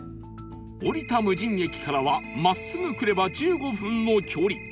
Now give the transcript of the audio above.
降りた無人駅からは真っすぐ来れば１５分の距離